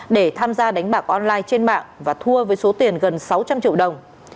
để tham gia đánh bạc online trên mạng và thua với số tiền gần sáu trăm linh triệu đồng